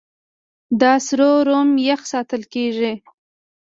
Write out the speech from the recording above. دا سرور روم یخ ساتل کېږي.